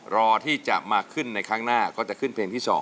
รอที่จะมาขึ้นในครั้งหน้าก็จะขึ้นเพลงที่๒